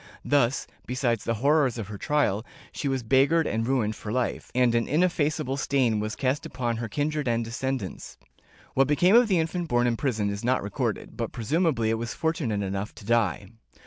Thus, besides the horrors of her trial, she was beggared and ruined for life, and an ineffaceable stain was cast upon her kindred and descendants. What became of the infant born in prison is not recorded, but presumably it was fortunate enough to die.